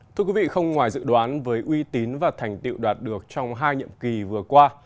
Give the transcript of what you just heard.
thưa quý vị không ngoài dự đoán với uy tín và thành tiệu đạt được trong hai nhiệm kỳ vừa qua